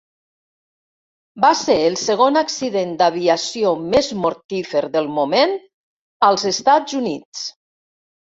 Va ser el segon accident d'aviació més mortífer del moment als Estat Units.